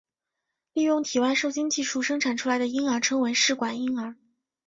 利用体外受精技术生产出来的婴儿称为试管婴儿。